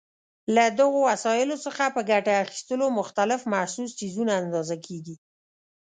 له دغو وسایلو څخه په ګټې اخیستلو مختلف محسوس څیزونه اندازه کېږي.